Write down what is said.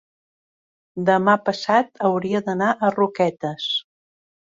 demà passat hauria d'anar a Roquetes.